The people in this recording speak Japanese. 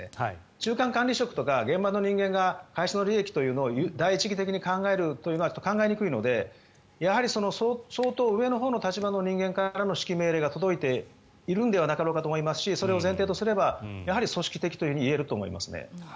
中間管理職とか現場の人間が会社の利益というのを第一義的に考えるというのは考えにくいのでやはり、相当上のほうの立場の人間からの指揮命令が届いているのではなかろうかと思いますしそれを前提とすればやはり組織的と言えると思います。